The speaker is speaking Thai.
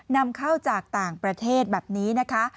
นำเข้าจากต่างประเทศแบบนี้นะคะ